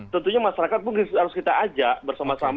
tentunya masyarakat mungkin harus kita ajak bersama sama